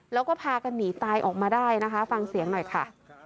แล้วก็พากันหนีตายออกมาได้นะคะฟังเสียงหน่อยค่ะ